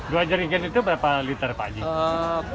dua gerigen itu berapa liter pak